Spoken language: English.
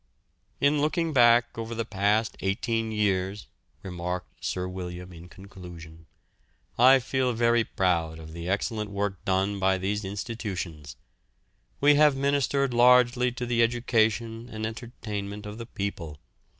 "In looking back over the past eighteen years," remarked Sir William in conclusion, "I feel very proud of the excellent work done by these institutions. We have ministered largely to the education and entertainment of the people.